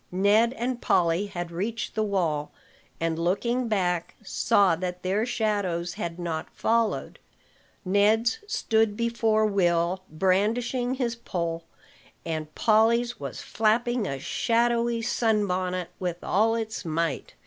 Ned and Polly had reached the wall, and, looking back, saw that their shadows had not followed. Ned's stood before Will, brandishing his pole; and Polly's was flapping a shadowy sun bonnet with all its might.